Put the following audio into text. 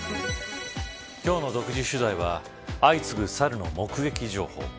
今日の独自取材は相次ぐサルの目撃情報。